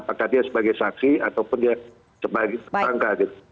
apakah dia sebagai saksi ataupun dia sebagai tersangka gitu